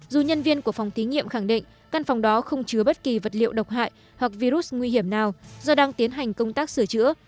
dù nhân viên của phòng thí nghiệm khẳng định căn phòng đó không chứa bất kỳ vật liệu độc hại hoặc virus nguy hiểm nào do đang tiến hành công tác sửa chữa